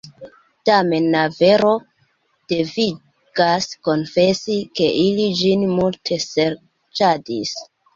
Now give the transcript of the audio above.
Tamen la vero devigas konfesi, ke ili ĝin multe serĉadis.